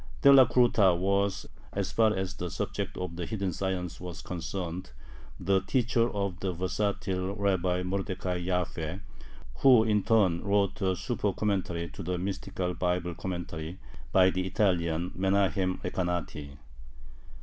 Delacruta was, as far as the subject of the "hidden science" was concerned, the teacher of the versatile Rabbi Mordecai Jaffe, who, in turn, wrote a supercommentary to the mystical Bible commentary by the Italian Menahem Recanati.